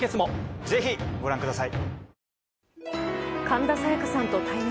ぜひご覧ください。